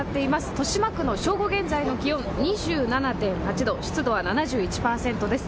豊島区の正午現在の気温２７．８度、湿度は７１％です。